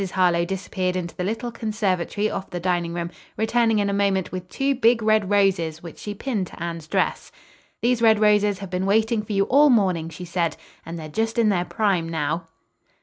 Harlowe disappeared into the little conservatory off the dining room, returning in a moment with two big red roses which she pinned to Anne's dress. "These red roses have been waiting for you all morning," she said, "and they're just in their prime now."